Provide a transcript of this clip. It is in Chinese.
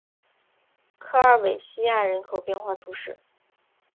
科尔韦西亚人口变化图示